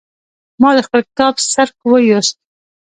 ما د خپل کتاب څرک ويوست.